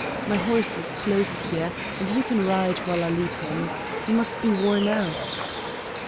"My horse is close here, and you can ride while I lead him. You must be worn out."